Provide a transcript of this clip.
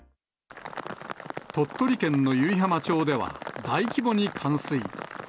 鳥取県の湯梨浜町では、大規模に冠水。